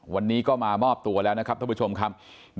วันนี้ก็มามอบตัวแล้วนะครับท่านผู้ชมครับ